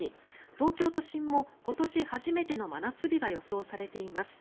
東京都心も今年初めての真夏日が予想されています。